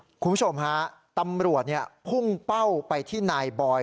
คุณผู้ชมฮะตำรวจพุ่งเป้าไปที่นายบอย